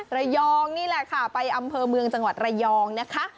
ระยองนี่แหละค่ะไปอำเภอเมืองจังหวัดระยองนะคะ